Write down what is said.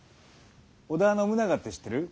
織田信長って知ってる？